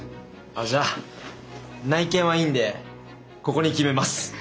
あっじゃあ内見はいいんでここに決めます。